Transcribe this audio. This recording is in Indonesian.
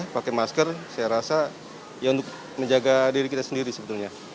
pakai masker saya rasa ya untuk menjaga diri kita sendiri sebetulnya